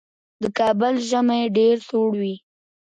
د کابل ژمی ډېر سوړ وي.